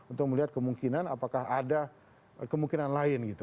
untuk melihat kemungkinan apakah ada kemungkinan lain gitu